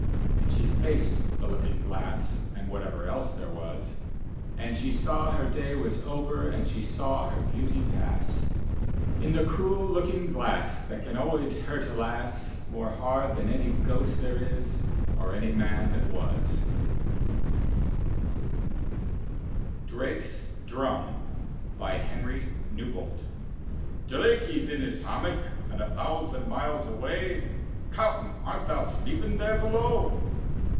" And she faced the looking glass (and whatever else there was) And she saw her day was over and she saw her beauty pass In the cruel looking glass, that can always hurt a lass More hard than any ^ost there is or any man there was I DRAKE'S DRUM : henry newbolt Drake he's in his hammock an' a thousand miles away, (Captcn, art tha sleepin' there below?)